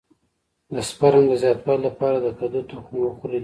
د سپرم د زیاتوالي لپاره د کدو تخم وخورئ